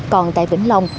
còn tại vĩnh long